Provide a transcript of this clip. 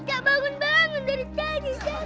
gak bangun bangun dari tadi